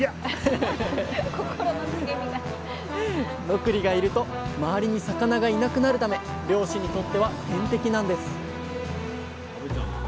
ノクリがいると周りに魚がいなくなるため漁師にとっては天敵なんです